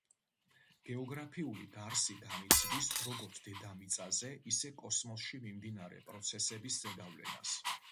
გეოგრაფიული გარსი განიცდის როგორც დედამიწაზე, ისე კოსმოსში მიმდინარე პროცესების ზეგავლენას.